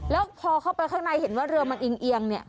แล้วพอเข้าไปข้างในเห็นว่าเรือมันอิงเอียงเนี่ย